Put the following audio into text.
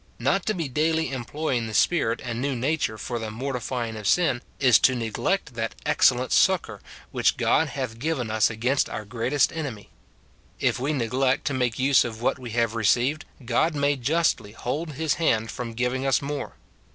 Not to be daily employing the Spirit and new nature for the mortifying of sin, is to neglect that excellent succour which God hath given us against our greatest enemy. If we neglect to make use of what we have received, God may justly hold his hand from giving us more.